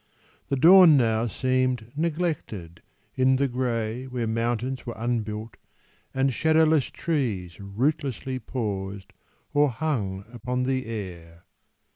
The dawn now seemed neglected in the grey Where mountains were unbuilt and shadowless trees Rootlessly paused or hung upon the air.